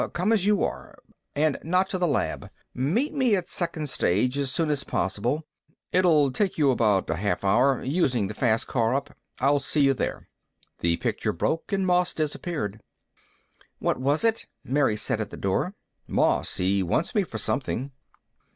Come as you are. And not to the lab. Meet me at second stage as soon as possible. It'll take you about a half hour, using the fast car up. I'll see you there." The picture broke and Moss disappeared. "What was it?" Mary said, at the door. "Moss. He wants me for something."